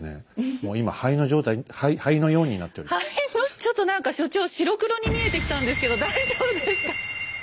もう今灰の状態灰のちょっと何か所長白黒に見えてきたんですけど大丈夫ですか？